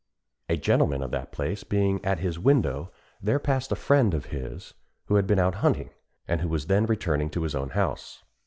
A gentleman of that place being at his window, there passed a friend of his who had been out hunting, and who was then returning to his own house.